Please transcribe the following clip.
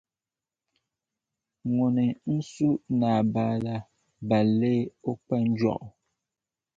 Ŋuni n-su naabaala ban lee o kpanjɔɣu.